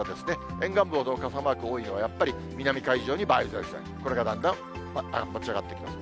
沿岸部ほど傘マークが多いのはやっぱり南海上に梅雨前線、これがだんだん持ち上がってきます。